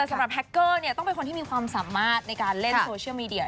สำหรับแฮคเกอร์เนี่ยต้องเป็นคนที่มีความสามารถในการเล่นโซเชียลมีเดีย